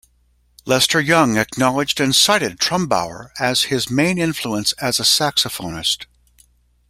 Lester Young acknowledged and cited Trumbauer as his main influence as a saxophonist.